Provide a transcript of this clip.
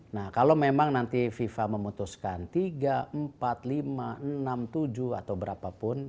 nah kalau memang nanti fifa memutuskan tiga empat lima enam tujuh atau berapapun